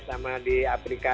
sama di afrika